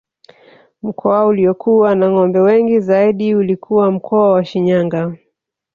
Mkoa uliokuwa na ngombe wengi zaidi ulikuwa mkoa wa Shinyanga